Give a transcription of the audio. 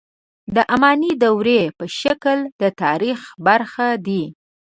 د اماني دورې په شکل د تاریخ برخه دي.